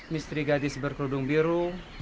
mistri gadis berkerudung biru